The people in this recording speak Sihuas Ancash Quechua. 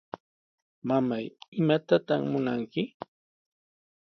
Mamay, ¿imatataq munanki?